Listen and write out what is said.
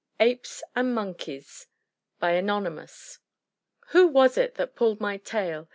APES AND MONKEYS Anonymous "Who was it that pulled my tail?"